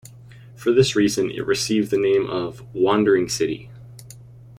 For this reason it received the name of "Wandering city".